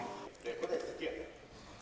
có thể thấy việc ủy ban thư giãn